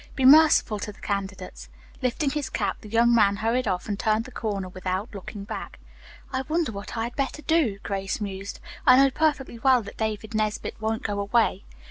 "Be merciful to the candidates." Lifting his cap, the young man hurried off and turned the corner without looking back. "I wonder what I had better do," Grace mused. "I know perfectly well that David Nesbit won't go away.